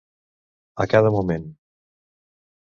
A cada moment.